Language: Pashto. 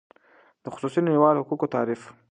د خصوصی نړیوالو حقوقو تعریف :